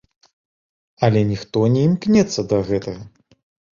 Але ніхто не імкнецца да гэтага!